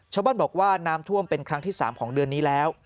ชาวบ้านบอกว่าน้ำท่วมเป็นครั้งที่๓ของเดือนนี้แล้ว